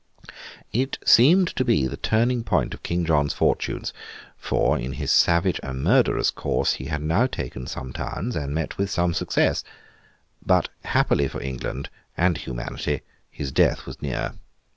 It seemed to be the turning point of King John's fortunes, for, in his savage and murderous course, he had now taken some towns and met with some successes. But, happily for England and humanity, his death was near.